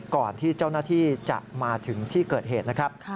ก่อนที่เจ้าหน้าที่จะมาถึงที่เกิดเหตุนะครับ